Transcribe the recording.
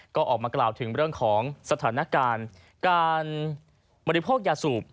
ก็ออกมากล่าวถึงเรื่องของสถานการณ์การบริโภคยาสูบ